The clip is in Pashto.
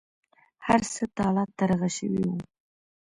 هر څه تالا ترغه شوي وو.